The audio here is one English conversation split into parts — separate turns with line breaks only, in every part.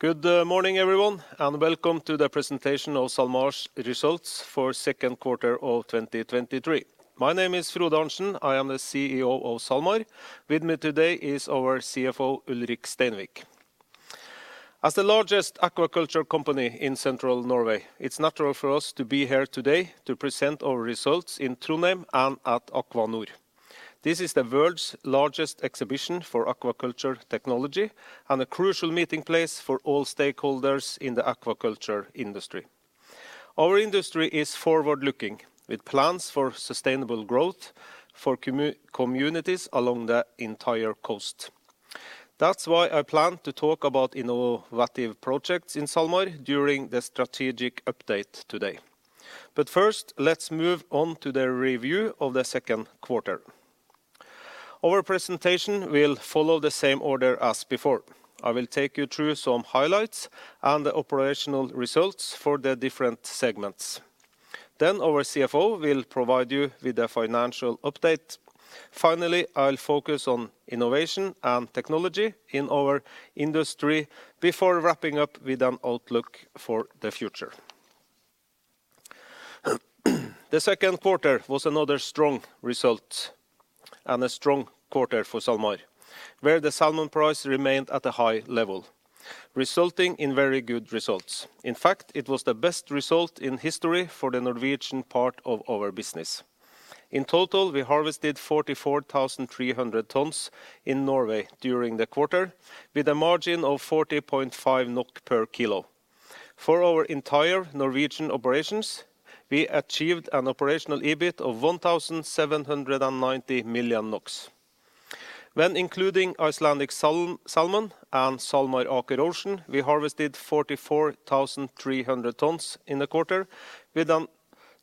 Good morning everyone, and welcome to the presentation of SalMar's results for second quarter of 2023. My name is Frode Arntsen. I am the CEO of SalMar. With me today is our CFO, Ulrik Steinvik. As the largest aquaculture company in Central Norway, it's natural for us to be here today to present our results in Trondheim and at Aqua Nor. This is the world's largest exhibition for aquaculture technology and a crucial meeting place for all stakeholders in the aquaculture industry. Our industry is forward-looking, with plans for sustainable growth for communities along the entire coast. That's why I plan to talk about innovative projects in SalMar during the strategic update today. But first, let's move on to the review of the second quarter. Our presentation will follow the same order as before. I will take you through some highlights and the operational results for the different segments. Then our CFO will provide you with a financial update. Finally, I'll focus on innovation and technology in our industry before wrapping up with an outlook for the future. The second quarter was another strong result and a strong quarter for SalMar, where the salmon price remained at a high level, resulting in very good results. In fact, it was the best result in history for the Norwegian part of our business. In total, we harvested 44,300 tons in Norway during the quarter, with a margin of 40.5 NOK per kilo. For our entire Norwegian operations, we achieved an operational EBIT of 1,790 million NOK. When including Icelandic salmon and SalMar Aker Ocean, we harvested 44,300 tons in the quarter, with a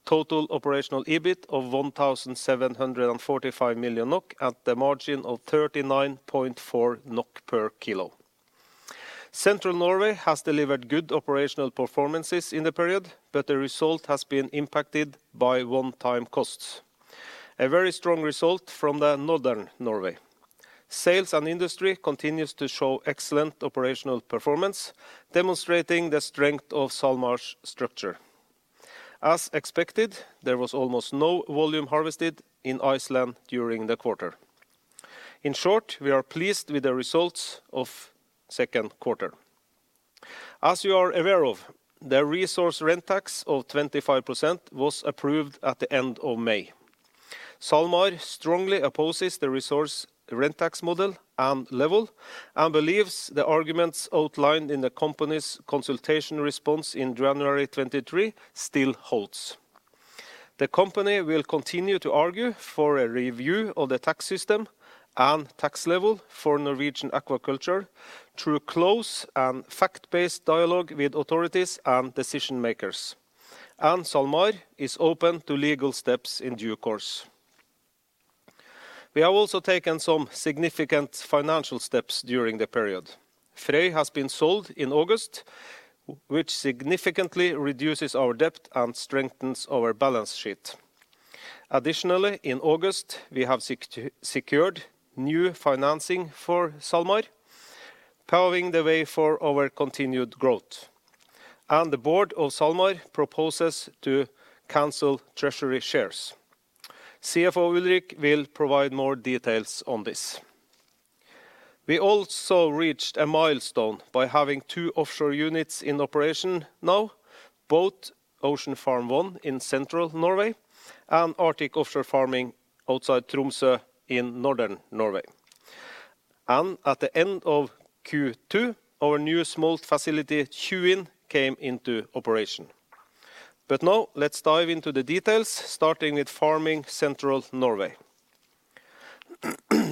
total operational EBIT of 1,745 million NOK at the margin of 39.4 NOK per kilo. Central Norway has delivered good operational performances in the period, but the result has been impacted by one-time costs. A very strong result from the Northern Norway. Sales & Industry continues to show excellent operational performance, demonstrating the strength of SalMar's structure. As expected, there was almost no volume harvested in Iceland during the quarter. In short, we are pleased with the results of second quarter. As you are aware of, the Resource Rent Tax of 25% was approved at the end of May. SalMar strongly opposes the Resource Rent Tax model and level, and believes the arguments outlined in the company's consultation response in January 2023 still holds. The company will continue to argue for a review of the tax system and tax level for Norwegian aquaculture through close and fact-based dialogue with authorities and decision-makers, and SalMar is open to legal steps in due course. We have also taken some significant financial steps during the period. Frøy has been sold in August, which significantly reduces our debt and strengthens our balance sheet. Additionally, in August, we have secured new financing for SalMar, paving the way for our continued growth, and the board of SalMar proposes to cancel treasury shares. CFO Ulrik will provide more details on this. We also reached a milestone by having two offshore units in operation now, both Ocean Farm 1 in Central Norway and Arctic Offshore Farming outside Tromsø in Northern Norway. At the end of Q2, our new smolt facility, Tjuin, came into operation. Now let's dive into the details, starting with Farming Central Norway.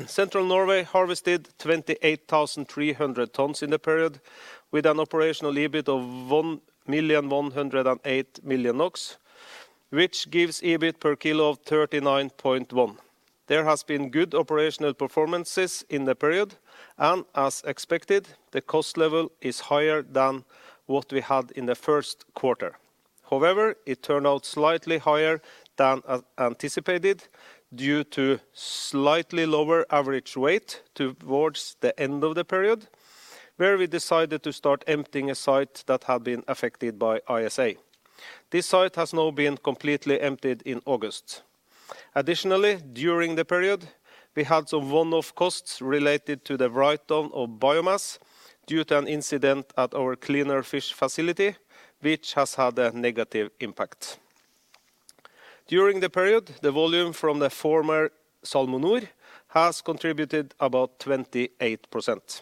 Central Norway harvested 28,300 tons in the period, with an operational EBIT of 108 million NOK, which gives EBIT per kilo of 39.1. There has been good operational performances in the period, and as expected, the cost level is higher than what we had in the first quarter. However, it turned out slightly higher than anticipated due to slightly lower average weight towards the end of the period, where we decided to start emptying a site that had been affected by ISA. This site has now been completely emptied in August. Additionally, during the period, we had some one-off costs related to the write-down of biomass due to an incident at our cleaner fish facility, which has had a negative impact. During the period, the volume from the former SalmoNor has contributed about 28%.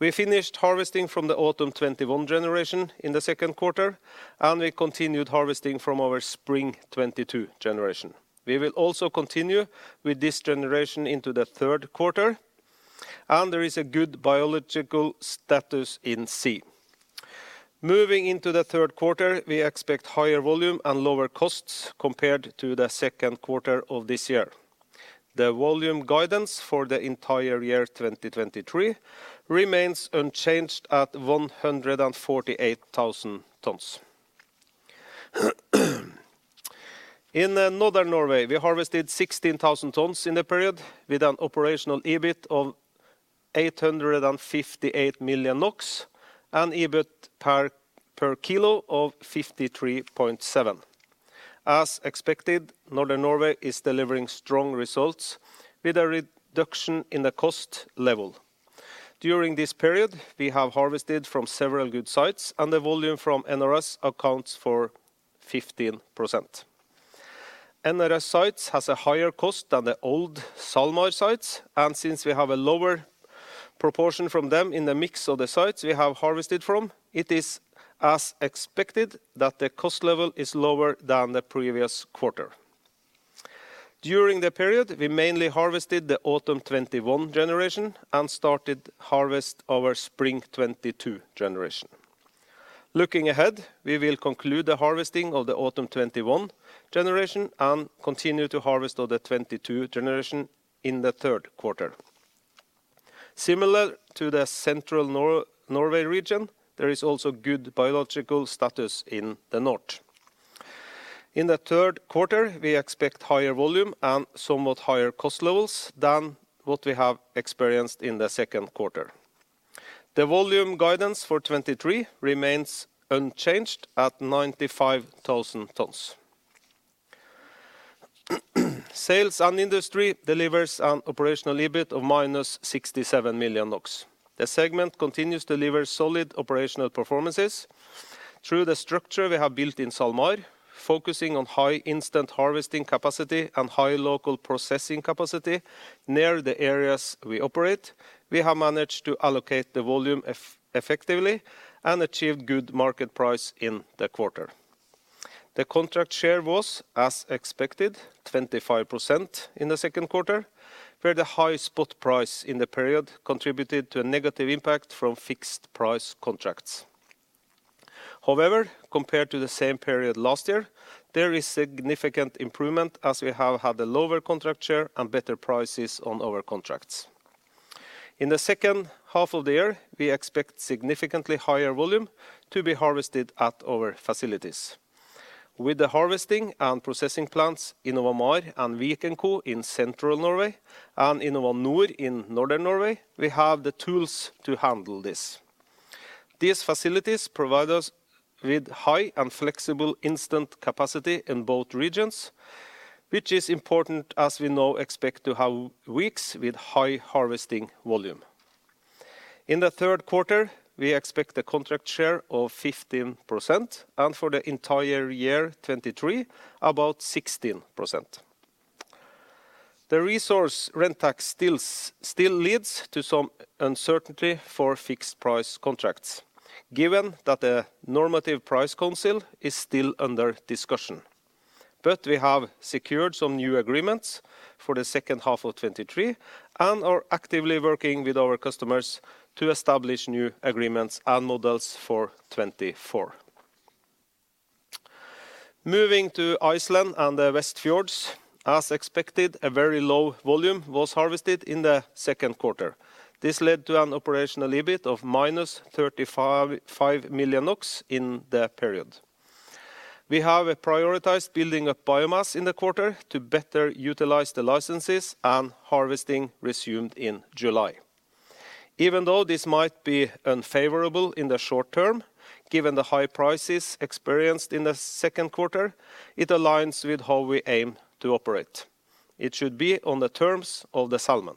We finished harvesting from the autumn 2021 generation in the second quarter, and we continued harvesting from our spring 2022 generation. We will also continue with this generation into the third quarter, and there is a good biological status in sea. Moving into the third quarter, we expect higher volume and lower costs compared to the second quarter of this year. The volume guidance for the entire year 2023 remains unchanged at 148,000 tons. ...In Northern Norway, we harvested 16,000 tons in the period, with an operational EBIT of 858 million NOK and EBIT per kilo of 53.7. As expected, Northern Norway is delivering strong results with a reduction in the cost level. During this period, we have harvested from several good sites, and the volume from NRS accounts for 15%. NRS sites has a higher cost than the old SalMar sites, and since we have a lower proportion from them in the mix of the sites we have harvested from, it is as expected that the cost level is lower than the previous quarter. During the period, we mainly harvested the autumn 2021 generation and started harvest our spring 2022 generation. Looking ahead, we will conclude the harvesting of the autumn 2021 generation and continue to harvest all the 2022 generation in the third quarter. Similar to the central Norway region, there is also good biological status in the north. In the third quarter, we expect higher volume and somewhat higher cost levels than what we have experienced in the second quarter. The volume guidance for 2023 remains unchanged at 95,000 tons. Sales and industry delivers an operational EBIT of -67 million NOK. The segment continues to deliver solid operational performances through the structure we have built in SalMar, focusing on high instant harvesting capacity and high local processing capacity near the areas we operate, we have managed to allocate the volume effectively and achieve good market price in the quarter. The contract share was, as expected, 25% in the second quarter, where the high spot price in the period contributed to a negative impact from fixed price contracts. However, compared to the same period last year, there is significant improvement as we have had a lower contract share and better prices on our contracts. In the second half of the year, we expect significantly higher volume to be harvested at our facilities. With the harvesting and processing plants, InnovaMar and Vikenco in Central Norway and InnovaNor in Northern Norway, we have the tools to handle this. These facilities provide us with high and flexible instant capacity in both regions, which is important as we now expect to have weeks with high harvesting volume. In the third quarter, we expect a contract share of 15%, and for the entire year, 2023, about 16%. The Resource Rent Tax still leads to some uncertainty for fixed price contracts, given that the normative price council is still under discussion. But we have secured some new agreements for the second half of 2023 and are actively working with our customers to establish new agreements and models for 2024. Moving to Iceland and the Westfjords, as expected, a very low volume was harvested in the second quarter. This led to an operational EBIT of -35.5 million NOK in the period. We have prioritized building up biomass in the quarter to better utilize the licenses, and harvesting resumed in July. Even though this might be unfavorable in the short term, given the high prices experienced in the second quarter, it aligns with how we aim to operate. It should be on the terms of the salmon.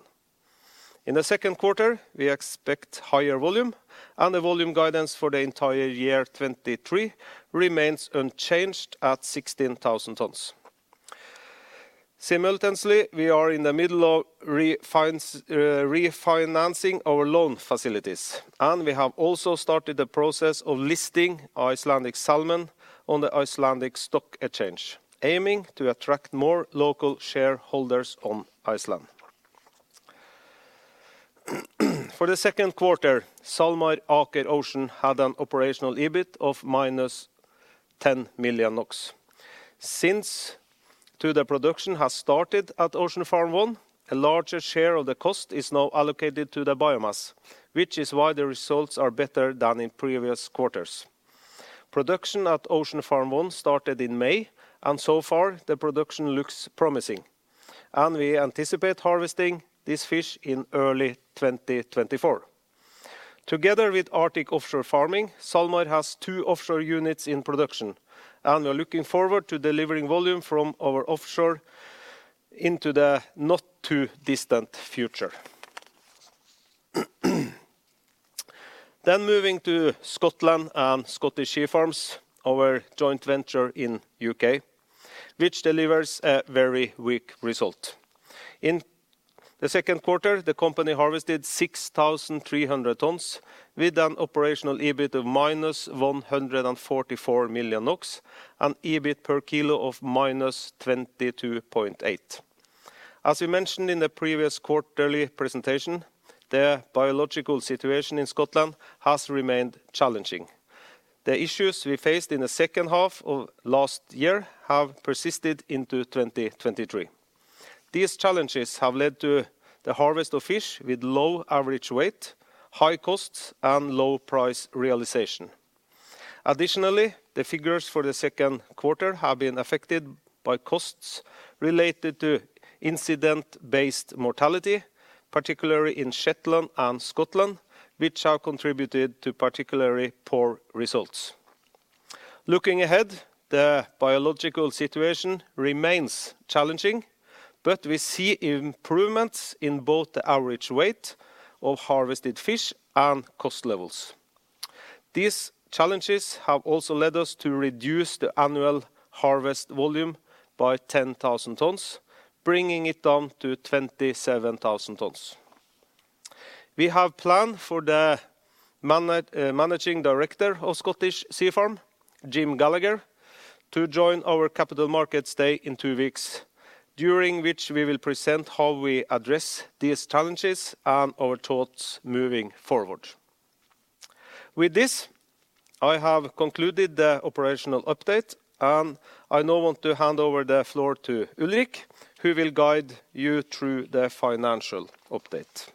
In the second quarter, we expect higher volume, and the volume guidance for the entire year 2023 remains unchanged at 16,000 tons. Simultaneously, we are in the middle of refinancing our loan facilities, and we have also started the process of listing Icelandic Salmon on the Icelandic Stock Exchange, aiming to attract more local shareholders on Iceland. For the second quarter, SalMar Aker Ocean had an operational EBIT of -10 million NOK. Since the production has started at Ocean Farm 1, a larger share of the cost is now allocated to the biomass, which is why the results are better than in previous quarters. Production at Ocean Farm 1 started in May, and so far, the production looks promising, and we anticipate harvesting this fish in early 2024. Together with Arctic Offshore Farming, SalMar has 2 offshore units in production, and we are looking forward to delivering volume from our offshore into the not-too-distant future. Then moving to Scotland and Scottish Sea Farms, our joint venture in U.K., which delivers a very weak result. In the second quarter, the company harvested 6,300 tons with an operational EBIT of -144 million NOK and EBIT per kilo of -22.8 NOK. As we mentioned in the previous quarterly presentation, the biological situation in Scotland has remained challenging. The issues we faced in the second half of last year have persisted into 2023.... These challenges have led to the harvest of fish with low average weight, high costs, and low price realization. Additionally, the figures for the second quarter have been affected by costs related to incident-based mortality, particularly in Shetland and Scotland, which have contributed to particularly poor results. Looking ahead, the biological situation remains challenging, but we see improvements in both the average weight of harvested fish and cost levels. These challenges have also led us to reduce the annual harvest volume by 10,000 tons, bringing it down to 27,000 tons. We have planned for the managing director of Scottish Sea Farms, Jim Gallagher, to join our Capital Markets Day in two weeks, during which we will present how we address these challenges and our thoughts moving forward. With this, I have concluded the operational update, and I now want to hand over the floor to Ulrik, who will guide you through the financial update.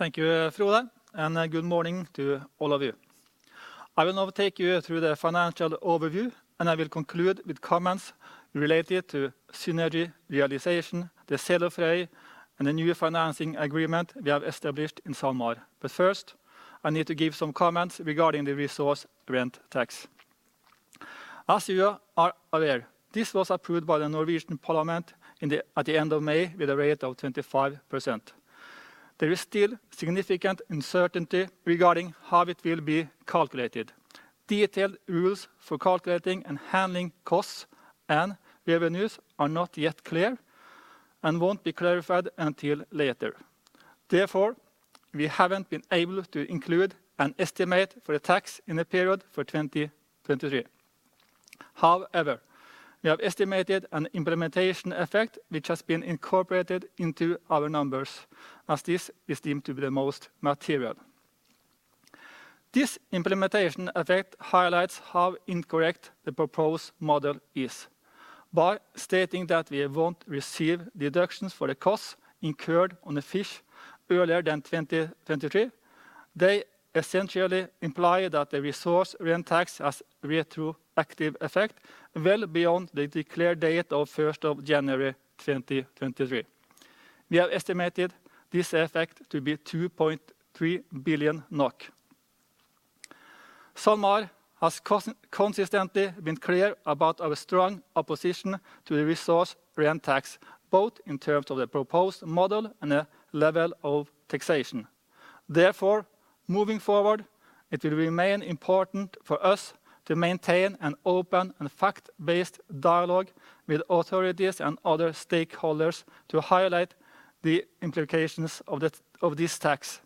Thank you, Frode, and good morning to all of you. I will now take you through the financial overview, and I will conclude with comments related to synergy realization, the sale of Frøy, and the new financing agreement we have established in SalMar. But first, I need to give some comments regarding the Resource Rent Tax. As you are aware, this was approved by the Norwegian Parliament at the end of May with a rate of 25%. There is still significant uncertainty regarding how it will be calculated. Detailed rules for calculating and handling costs and revenues are not yet clear and won't be clarified until later. Therefore, we haven't been able to include an estimate for the tax in the period for 2023. However, we have estimated an implementation effect, which has been incorporated into our numbers, as this is deemed to be the most material. This implementation effect highlights how incorrect the proposed model is. By stating that we won't receive deductions for the costs incurred on the fish earlier than 2023, they essentially imply that the Resource Rent Tax has retroactive effect, well beyond the declared date of January 1, 2023. We have estimated this effect to be 2.3 billion NOK. SalMar has consistently been clear about our strong opposition to the Resource Rent Tax, both in terms of the proposed model and the level of taxation. Therefore, moving forward, it will remain important for us to maintain an open and fact-based dialogue with authorities and other stakeholders to highlight the implications of the, of this tax.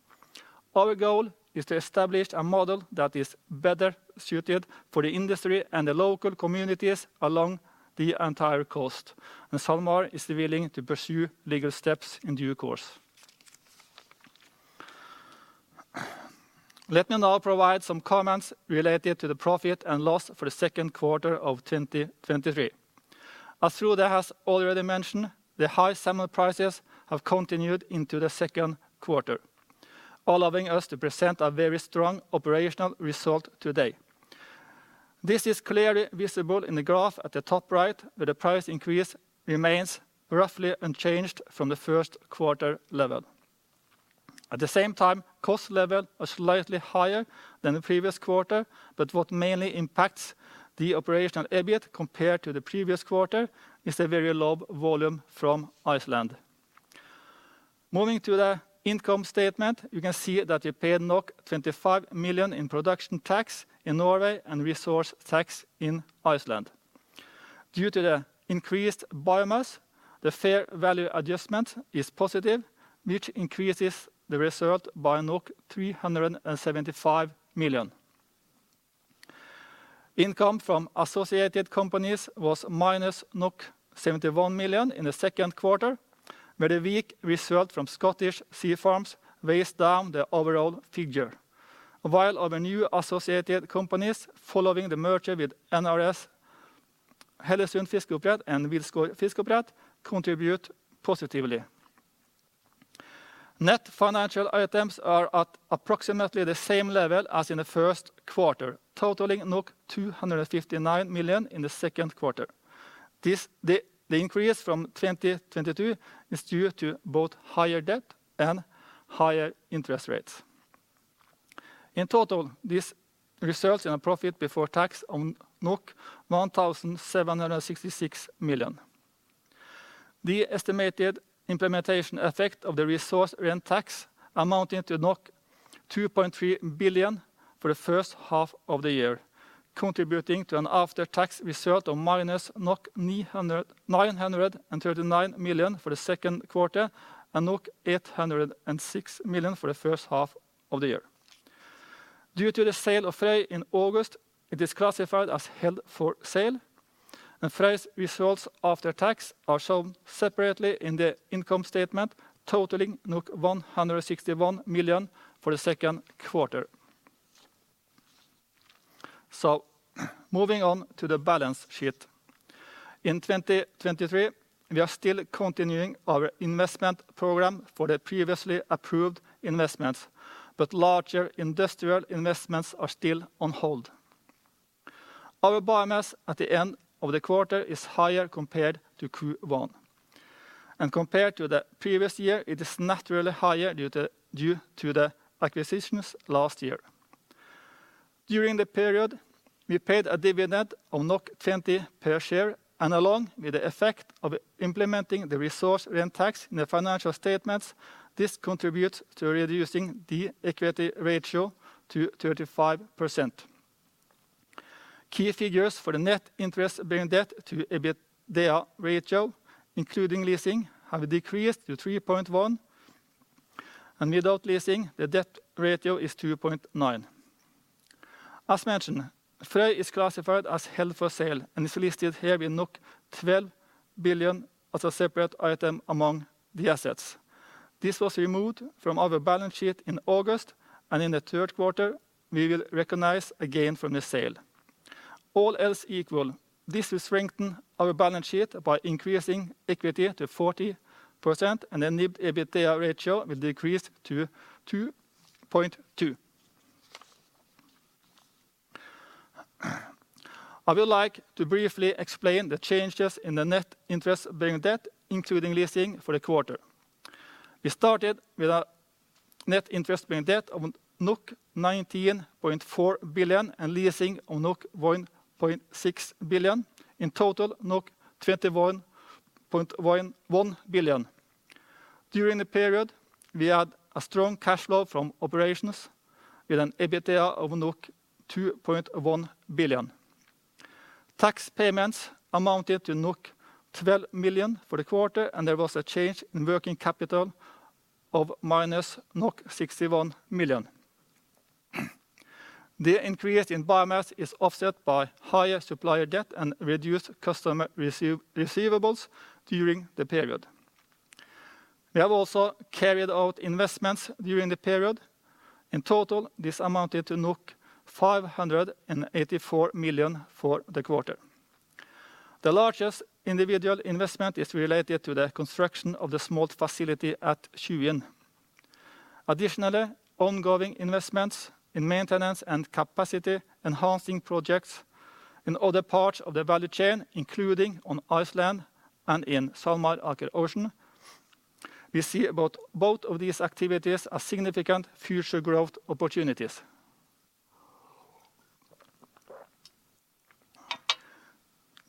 Our goal is to establish a model that is better suited for the industry and the local communities along the entire coast, and SalMar is willing to pursue legal steps in due course. Let me now provide some comments related to the profit and loss for the second quarter of 2023. As Frode has already mentioned, the high salmon prices have continued into the second quarter, allowing us to present a very strong operational result today. This is clearly visible in the graph at the top right, where the price increase remains roughly unchanged from the first quarter level. At the same time, cost levels are slightly higher than the previous quarter, but what mainly impacts the operational EBIT compared to the previous quarter is a very low volume from Iceland. Moving to the income statement, you can see that we paid 25 million in production tax in Norway and resource tax in Iceland. Due to the increased biomass, the fair value adjustment is positive, which increases the result by 375 million. Income from associated companies was minus 71 million in the second quarter, with a weak result from Scottish Sea Farms weighs down the overall figure. While our new associated companies, following the merger with NRS, Hellesund Fiskeoppdrett and Wilsgård Fiskeoppdrett contribute positively. Net financial items are at approximately the same level as in the first quarter, totaling 259 million in the second quarter. This increase from 2022 is due to both higher debt and higher interest rates. In total, this results in a profit before tax on 1,766 million. The estimated implementation effect of the Resource Rent Tax amounting to 2.3 billion for the first half of the year, contributing to an after-tax result of minus 939 million for the second quarter and 806 million for the first half of the year. Due to the sale of Frøy in August, it is classified as held for sale, and Frøy's results after tax are shown separately in the income statement, totaling NOK 161 million for the second quarter. So moving on to the balance sheet. In 2023, we are still continuing our investment program for the previously approved investments, but larger industrial investments are still on hold. Our biomass at the end of the quarter is higher compared to Q1, and compared to the previous year, it is naturally higher due to the acquisitions last year. During the period, we paid a dividend of 20 per share, and along with the effect of implementing the Resource Rent Tax in the financial statements, this contributes to reducing the equity ratio to 35%. Key figures for the net interest-bearing debt to EBITDA ratio, including leasing, have decreased to 3.1, and without leasing, the debt ratio is 2.9. As mentioned, Frøy is classified as held for sale and is listed here with 12 billion as a separate item among the assets. This was removed from our balance sheet in August, and in the third quarter, we will recognize a gain from the sale. All else equal, this will strengthen our balance sheet by increasing equity to 40%, and then NIBD/EBITDA ratio will decrease to 2.2. I would like to briefly explain the changes in the net interest-bearing debt, including leasing for the quarter. We started with a net interest-bearing debt of 19.4 billion and leasing of 1.6 billion. In total, 21.1 billion. During the period, we had a strong cash flow from operations with an EBITDA of NOK 2.1 billion. Tax payments amounted to NOK 12 million for the quarter, and there was a change in working capital of -61 million NOK. The increase in biomass is offset by higher supplier debt and reduced customer receivables during the period. We have also carried out investments during the period. In total, this amounted to 584 million for the quarter. The largest individual investment is related to the construction of the smolt facility at Tjuin. Additionally, ongoing investments in maintenance and capacity-enhancing projects in other parts of the value chain, including on Iceland and in SalMar Aker Ocean. We see about both of these activities as significant future growth opportunities.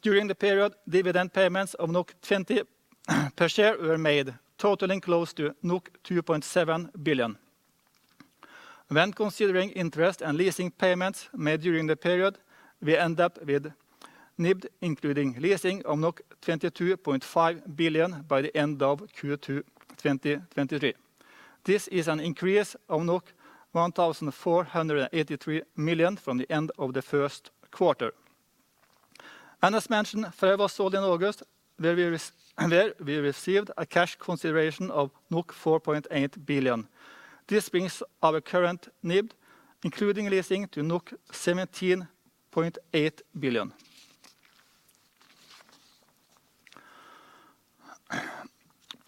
During the period, dividend payments of 20 per share were made, totaling close to 2.7 billion. When considering interest and leasing payments made during the period, we end up with NIBD, including leasing, of 22.5 billion by the end of Q2 2023. This is an increase of 1,483 million from the end of the first quarter. As mentioned, Frøy was sold in August, where we received a cash consideration of 4.8 billion. This brings our current NIBD, including leasing, to 17.8 billion.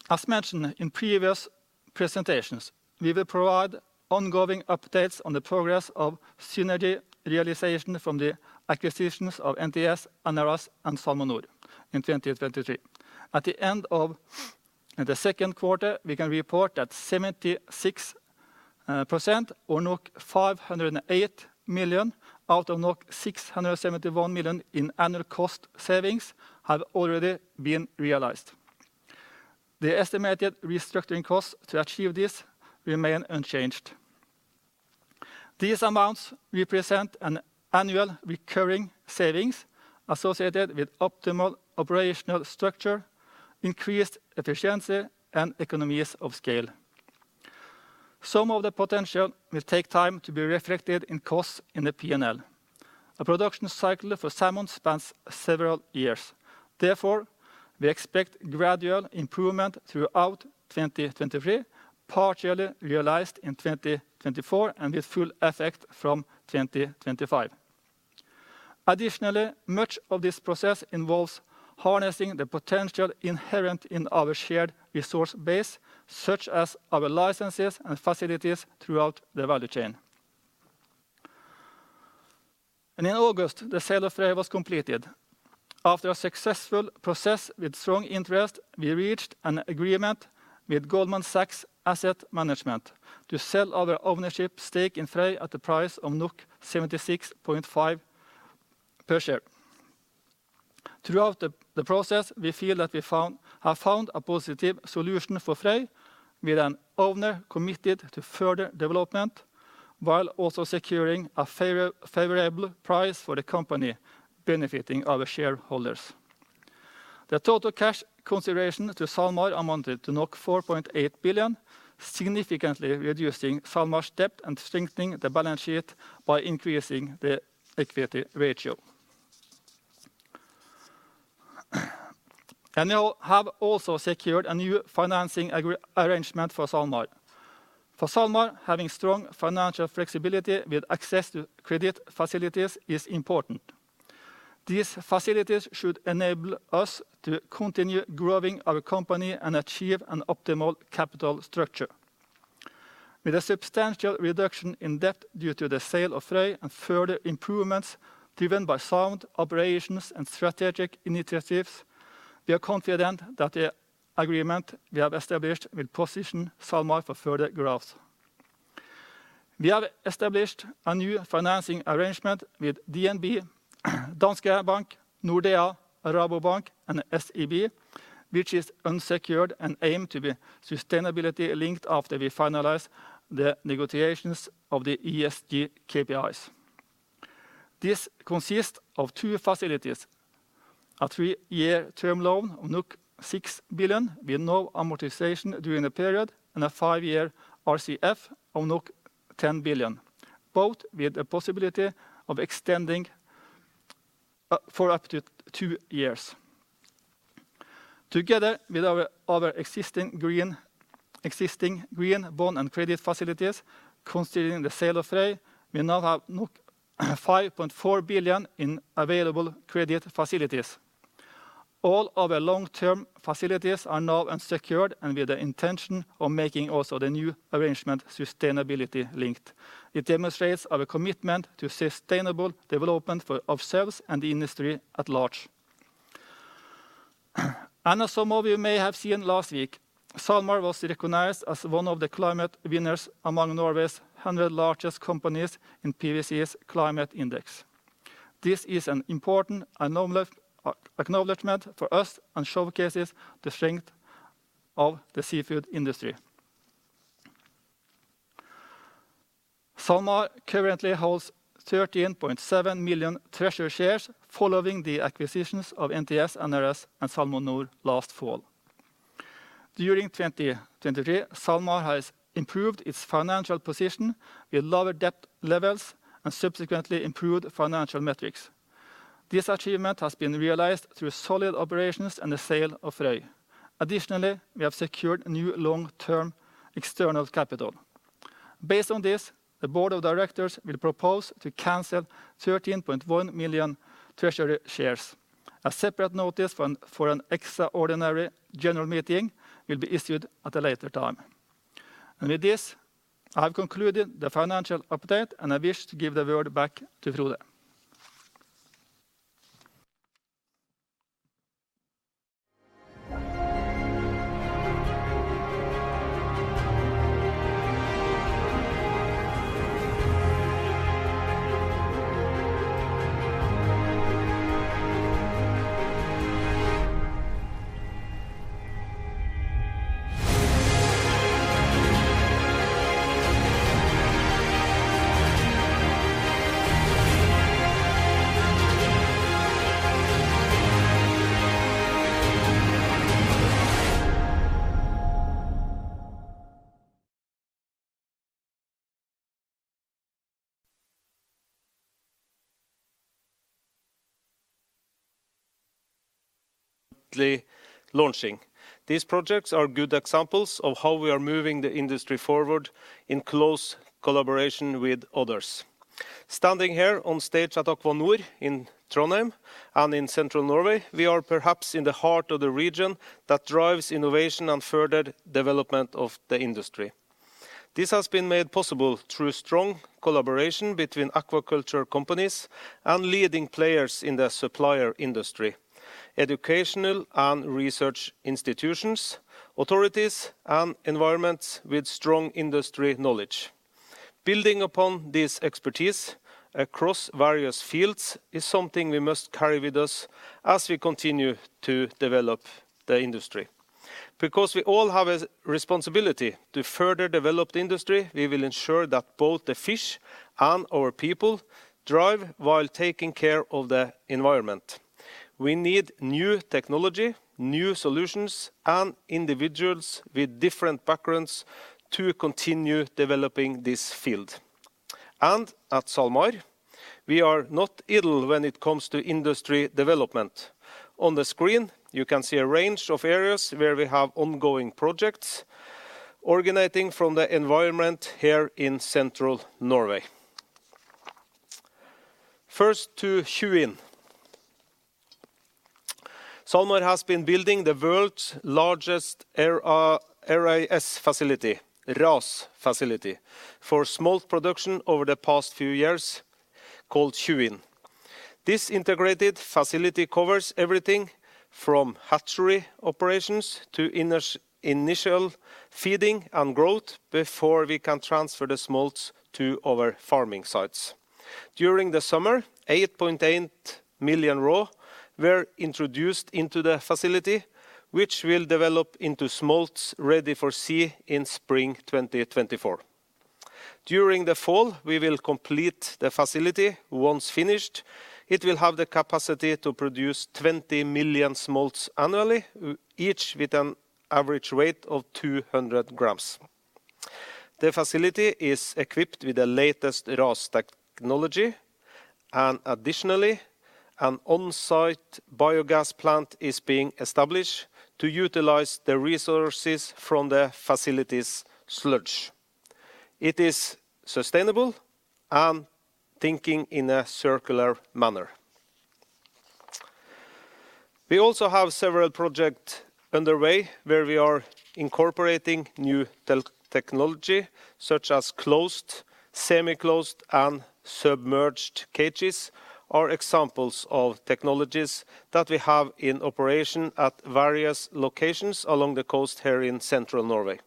As mentioned in previous presentations, we will provide ongoing updates on the progress of synergy realization from the acquisitions of NTS, NRS, and Salmonor in 2023. At the end of the second quarter, we can report that 76%, or 508 million, out of 671 million in annual cost savings have already been realized. The estimated restructuring costs to achieve this remain unchanged. These amounts represent an annual recurring savings associated with optimal operational structure, increased efficiency, and economies of scale. Some of the potential will take time to be reflected in costs in the P&L. A production cycle for salmon spans several years. Therefore, we expect gradual improvement throughout 2023, partially realized in 2024, and with full effect from 2025. Additionally, much of this process involves harnessing the potential inherent in our shared resource base, such as our licenses and facilities throughout the value chain. In August, the sale of Frøy was completed. After a successful process with strong interest, we reached an agreement with Goldman Sachs Asset Management to sell our ownership stake in Frøy at the price of 76.5 per share. Throughout the process, we feel that we have found a positive solution for Frøy with an owner committed to further development, while also securing a favorable price for the company, benefiting our shareholders. The total cash consideration to SalMar amounted to 4.8 billion, significantly reducing SalMar's debt and strengthening the balance sheet by increasing the equity ratio. And now have also secured a new financing arrangement for SalMar. For SalMar, having strong financial flexibility with access to credit facilities is important. These facilities should enable us to continue growing our company and achieve an optimal capital structure. With a substantial reduction in debt due to the sale of Frøy and further improvements driven by sound operations and strategic initiatives, we are confident that the agreement we have established will position SalMar for further growth. We have established a new financing arrangement with DNB, Danske Bank, Nordea, Rabobank, and SEB, which is unsecured and aimed to be sustainability linked after we finalize the negotiations of the ESG KPIs. This consists of two facilities: a 3-year term loan of 6 billion, with no amortization during the period, and a 5-year RCF of 10 billion, both with a possibility of extending for up to 2 years. Together with our existing green bond and credit facilities, considering the sale of Frøy, we now have 5.4 billion in available credit facilities. All our long-term facilities are now unsecured, and with the intention of making also the new arrangement sustainability linked. It demonstrates our commitment to sustainable development for ourselves and the industry at large. As some of you may have seen last week, SalMar was recognized as one of the climate winners among Norway's 100 largest companies in PwC's climate index. This is an important acknowledgment for us and showcases the strength of the seafood industry. SalMar currently holds 13.7 million treasury shares following the acquisitions of NTS, NRS, and Salmonor last fall. During 2023, SalMar has improved its financial position with lower debt levels and subsequently improved financial metrics. This achievement has been realized through solid operations and the sale of Frøy. Additionally, we have secured new long-term external capital. Based on this, the board of directors will propose to cancel 13.1 million treasury shares. A separate notice for an extraordinary general meeting will be issued at a later time. And with this, I have concluded the financial update, and I wish to give the word back to Frode. ...
launching. These projects are good examples of how we are moving the industry forward in close collaboration with others. Standing here on stage at Aqua Nor in Trondheim and in Central Norway, we are perhaps in the heart of the region that drives innovation and further development of the industry. This has been made possible through strong collaboration between aquaculture companies and leading players in the supplier industry, educational and research institutions, authorities, and environments with strong industry knowledge. Building upon this expertise across various fields is something we must carry with us as we continue to develop the industry. Because we all have a responsibility to further develop the industry, we will ensure that both the fish and our people thrive while taking care of the environment. We need new technology, new solutions, and individuals with different backgrounds to continue developing this field. At SalMar, we are not idle when it comes to industry development. On the screen, you can see a range of areas where we have ongoing projects originating from the environment here in central Norway. First, Tjuin. SalMar has been building the world's largest RAS facility, RAS facility, for smolt production over the past few years, called Tjuin. This integrated facility covers everything from hatchery operations to initial feeding and growth before we can transfer the smolts to our farming sites. During the summer, 8.8 million roe were introduced into the facility, which will develop into smolts ready for sea in spring 2024. During the fall, we will complete the facility. Once finished, it will have the capacity to produce 20 million smolts annually, each with an average weight of 200 grams. The facility is equipped with the latest RAS technology, and additionally, an on-site biogas plant is being established to utilize the resources from the facility's sludge. It is sustainable and thinking in a circular manner. We also have several projects underway, where we are incorporating new technology, such as closed, semi-closed, and submerged cages, are examples of technologies that we have in operation at various locations along the coast here in Central Norway.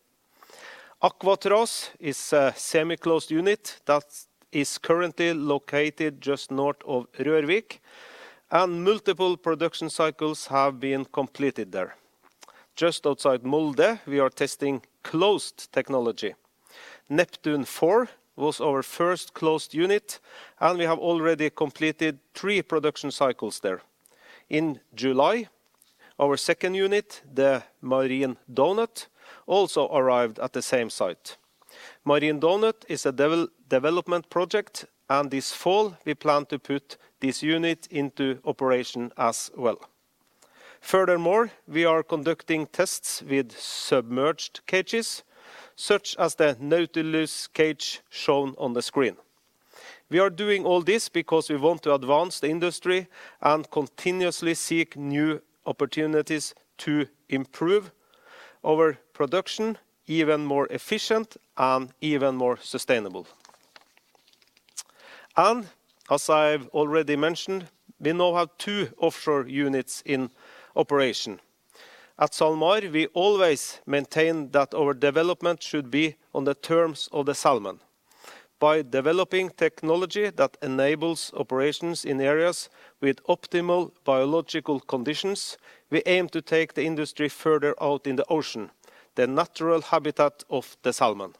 Aquatraz is a semi-closed unit that is currently located just north of Rørvik, and multiple production cycles have been completed there. Just outside Molde, we are testing closed technology. Neptun 4 was our first closed unit, and we have already completed three production cycles there. In July, our second unit, the Marine Donut, also arrived at the same site. Marine Donut is a development project, and this fall, we plan to put this unit into operation as well. Furthermore, we are conducting tests with submerged cages, such as the Nautilus cage shown on the screen. We are doing all this because we want to advance the industry and continuously seek new opportunities to improve our production even more efficient and even more sustainable. As I've already mentioned, we now have two offshore units in operation. At SalMar, we always maintain that our development should be on the terms of the salmon. By developing technology that enables operations in areas with optimal biological conditions, we aim to take the industry further out in the ocean, the natural habitat of the salmon.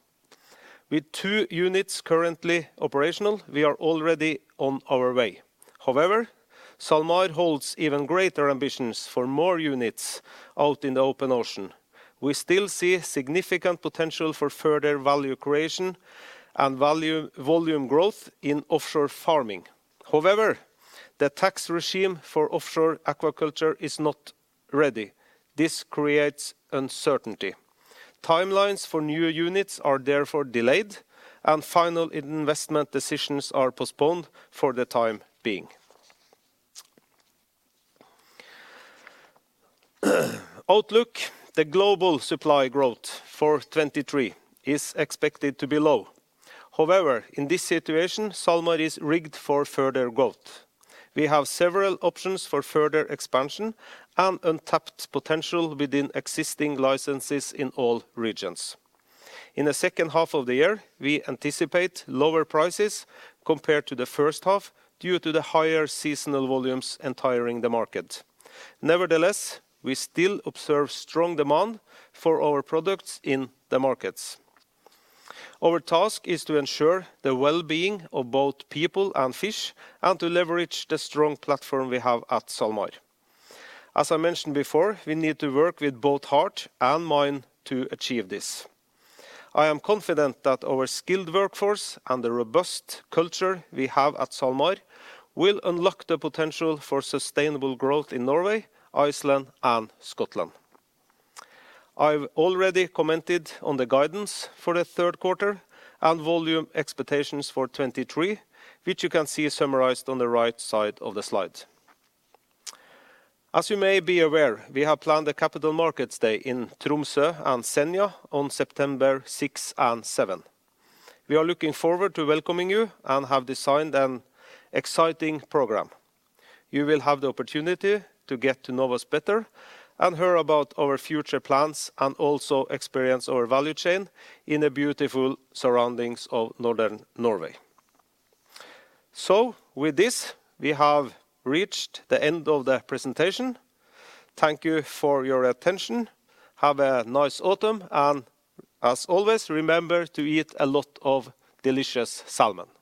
With two units currently operational, we are already on our way. However, SalMar holds even greater ambitions for more units out in the open ocean. We still see significant potential for further value creation and volume growth in offshore farming. However, the tax regime for offshore aquaculture is not ready. This creates uncertainty. Timelines for new units are therefore delayed, and final investment decisions are postponed for the time being. Outlook, the global supply growth for 2023 is expected to be low. However, in this situation, SalMar is rigged for further growth. We have several options for further expansion and untapped potential within existing licenses in all regions. In the second half of the year, we anticipate lower prices compared to the first half due to the higher seasonal volumes entering the market. Nevertheless, we still observe strong demand for our products in the markets. Our task is to ensure the well-being of both people and fish, and to leverage the strong platform we have at SalMar. As I mentioned before, we need to work with both heart and mind to achieve this. I am confident that our skilled workforce and the robust culture we have at SalMar will unlock the potential for sustainable growth in Norway, Iceland, and Scotland. I've already commented on the guidance for the third quarter and volume expectations for 2023, which you can see summarized on the right side of the slide. As you may be aware, we have planned a capital markets day in Tromsø and Senja on September 6 and 7. We are looking forward to welcoming you and have designed an exciting program. You will have the opportunity to get to know us better and hear about our future plans, and also experience our value chain in the beautiful surroundings of Northern Norway. So with this, we have reached the end of the presentation. thank you for your attention. Have a nice autumn, and as always, remember to eat a lot of delicious salmon.